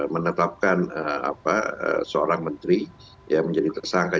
menetapkan seorang menteri yang menjadi tersangka